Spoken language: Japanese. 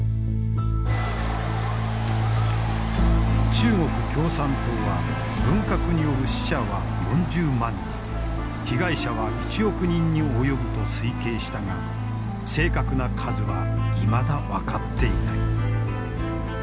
中国共産党は文革による死者は４０万人被害者は１億人に及ぶと推計したが正確な数はいまだ分かっていない。